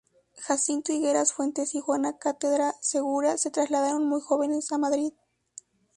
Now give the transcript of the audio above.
Jacinto Higueras Fuentes y Juana Cátedra Segura se trasladaron muy jóvenes a Madrid.